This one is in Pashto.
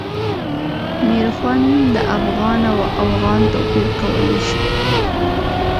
میرخوند د افغان او اوغان توپیر کولای شي.